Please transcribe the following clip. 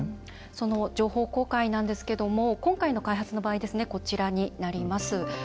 その情報公開なんですが今回の開発の場合こちらになります。